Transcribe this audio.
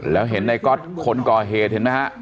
แล้วเห็นในก๊อตคนก่อเหตุเห็นไหมฮะ